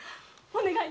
お願い。